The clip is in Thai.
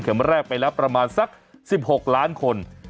เขียนมาแรกไปแล้วประมาณสัก๑๖ล้านคน